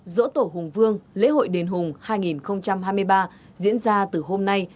dỗ tổ hùng vương lễ hội đền hùng hai nghìn hai mươi ba diễn ra từ hôm nay